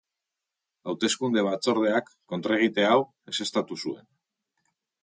Hauteskunde batzordeak kontra-egite hau ezeztatu zuen.